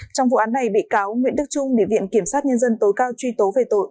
trong vụ án này bị cáo nguyễn đức trung địa viện kiểm sát nhân dân tối cao truy tố về tội